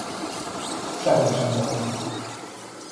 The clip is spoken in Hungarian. Sehol sem gyakori.